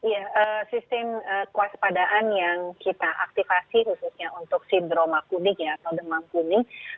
ya sistem kewaspadaan yang kita aktifasi khususnya untuk sindroma kuning ya atau demam kuning